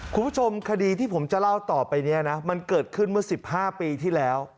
คุณผู้ชมคดีที่ผมจะเล่าต่อไปนี้นะมันเกิดขึ้นเมื่อ๑๕ปีที่แล้ว